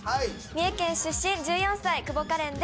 三重県出身１４歳久保歌恋です。